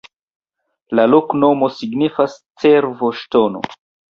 La loknomo signifas: cervo-ŝtono.